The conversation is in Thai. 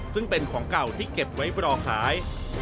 ซึ่งเป็นของเก่าที่เก็บไว้รอขาย